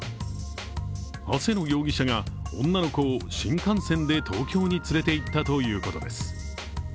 長谷野容疑者が女の子を新幹線で東京に連れていったということです。